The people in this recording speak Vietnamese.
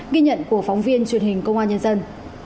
ghi nhận của phóng viên truyền hình công an nhân dân